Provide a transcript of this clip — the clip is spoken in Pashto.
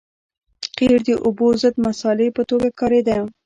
قیر د اوبو ضد مصالحې په توګه کارېده